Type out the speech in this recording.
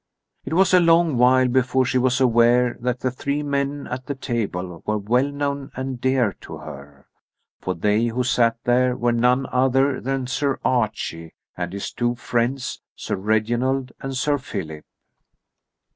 It was a long while before she was aware that the three men at the table were well known and dear to her. For they who sat there were none other than Sir Archie and his two friends Sir Reginald and Sir Philip.